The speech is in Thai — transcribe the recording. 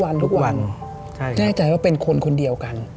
แน่ใจว่าเป็นคนคนเดียวกัน